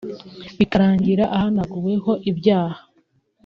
bikarangira ahanaguweho ibyaha